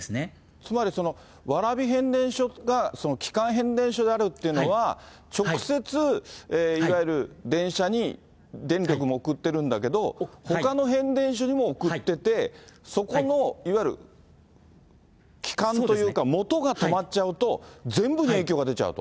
つまり、蕨変電所がその基幹変電所であるっていうのは、直接、いわゆる電車に電力も送ってるんだけど、ほかの変電所にも送ってて、そこのいわゆる基幹というか、もとが止まっちゃうと全部に影響が出ちゃうと？